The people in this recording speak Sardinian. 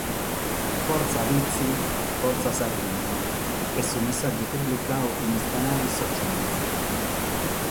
"Fortza Vitzi, fortza Sardigna" est su messàgiu publicadu in is canales sotziales.